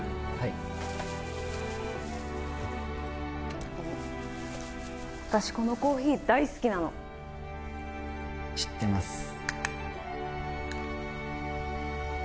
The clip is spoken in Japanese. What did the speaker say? はい私このコーヒー大好きなの知ってます